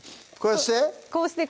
こうして？